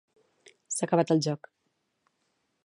S'ha acabat el joc